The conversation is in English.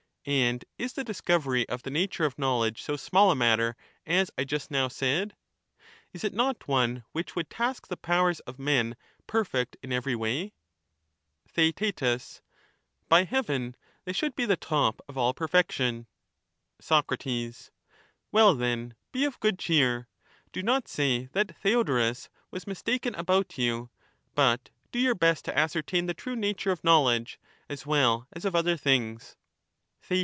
And is the discovery of the nature of knowledge so small a matter, as I just now said ? Is it not one which would task the powers of men perfect in every way ? Theaet By heaven, they should be the top of all per fection ! Soc. Well, then, be of good cheer; do not say that Theodorus was mistaken about you, but do your best to ascertain the true nature of knowledge, as well as of other things.